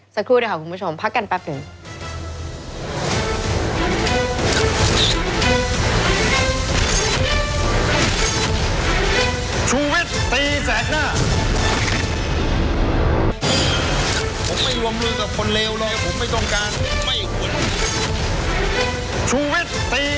สักครู่เดียวค่ะคุณผู้ชมพักกันแป๊บหนึ่ง